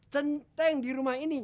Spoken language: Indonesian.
centeng di rumah ini